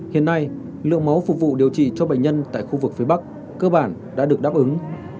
hiện nay lượng máu phục vụ điều trị cho bệnh nhân tại khu vực phía bắc cơ bản đã được đáp ứng